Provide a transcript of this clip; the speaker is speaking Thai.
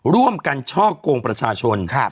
ร่วมกันช่อกงประชาชน